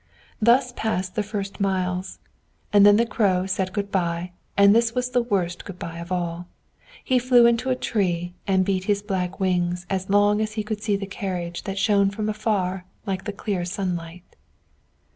Thus passed the first miles; and then the Crow said good by, and this was the worst good by of all. He flew into a tree, and beat his black wings as long as he could see the carriage, that shone from afar like the clear sunlight.